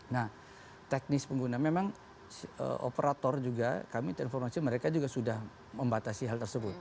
nah teknis pengguna memang operator juga kami terinformasi mereka juga sudah membatasi hal tersebut